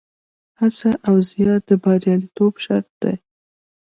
هڅه او زیار د بریالیتوب شرط دی.